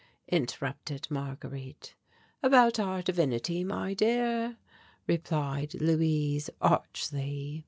interrupted Marguerite. "About our divinity, my dear," replied Luise archly.